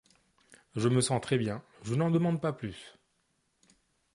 Je me sens très-bien, je n'en demande pas plus.